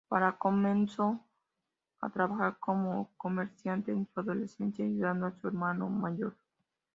Parra comenzó a trabajar como comerciante en su adolescencia, ayudando a su hermano mayor.